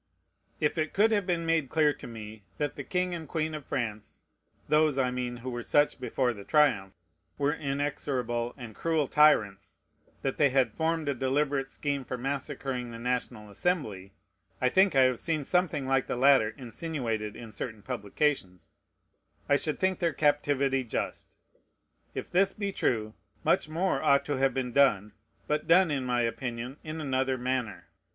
If it could have been made clear to me that the king and queen of France (those, I mean, who were such before the triumph) were inexorable and cruel tyrants, that they had formed a deliberate scheme for massacring the National Assembly, (I think I have seen something like the latter insinuated in certain publications,) I should think their captivity just. If this be true, much more ought to have been done, but done, in my opinion, in another manner.